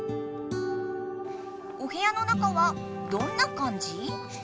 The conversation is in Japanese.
おへやの中はどんな感じ？